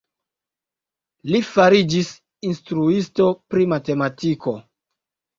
Li fariĝis instruisto pri matematiko.